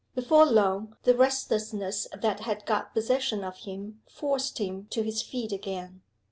Before long the restlessness that had got possession of him forced him to his feet again.